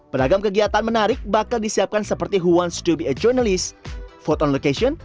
beragam kegiatan menarik bakal disiapkan seperti hones to be a journalist vote on location